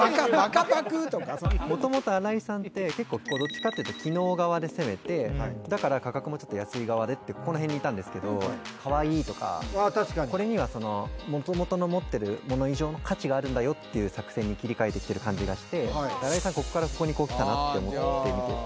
もともと荒井さんって、どっちかっていうと、機能側で攻めて、だから、価格もちょっと安い側でって、ここのへんにいたんですけど、かわいいとか、これには、もともとの持ってるもの以上の価値があるんだよっていう作戦に切り替えてきてる感じがして。